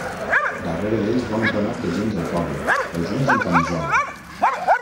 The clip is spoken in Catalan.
Darrere d'ells va un ramat de gent del poble, els uns en camisola.